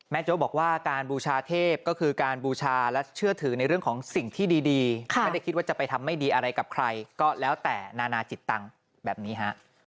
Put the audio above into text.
โจ๊กบอกว่าการบูชาเทพก็คือการบูชาและเชื่อถือในเรื่องของสิ่งที่ดีไม่ได้คิดว่าจะไปทำไม่ดีอะไรกับใครก็แล้วแต่นานาจิตตังค์แบบนี้ฮะ